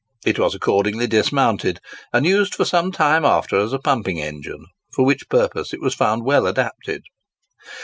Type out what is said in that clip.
It was accordingly dismounted, and used for some time after as a pumping engine, for which purpose it was found well adapted.